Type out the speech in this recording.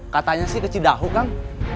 katanya sih keci dahuk kang